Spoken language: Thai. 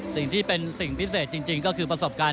สิ่งที่เป็นสิ่งพิเศษจริงก็คือประสบการณ์